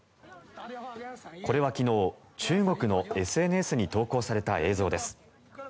これは昨日、中国のＳＮＳに投稿された映像です。